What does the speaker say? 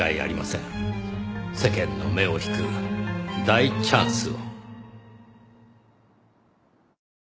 世間の目を引く大チャンスを。